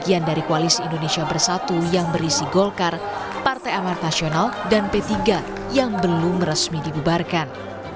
bagian dari koalisi indonesia bersatu yang berisi golkar partai amartasional dan p tiga yang belum resmi dibubarkan